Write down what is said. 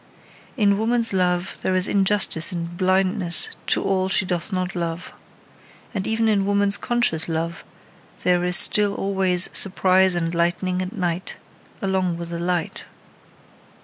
In woman's love there is injustice and blindness to all she doth not love. And even in woman's conscious love, there is still always surprise and lightning and night, along with the light.